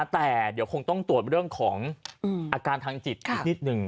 แต่เดี๋ยวคงต้องตรวจเรื่องของอาการทางจิตอีกนิดหนึ่ง